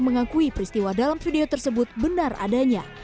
mengakui peristiwa dalam video tersebut benar adanya